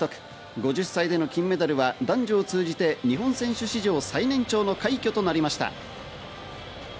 ５０歳代での金メダルは男女通じて、日本選手史上最年長の快挙となりました。